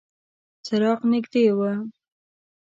څراغ نږدې و.